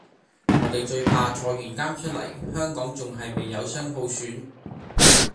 我地最怕坐完監出黎香港仲係未有雙普選